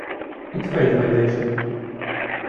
It failed validation.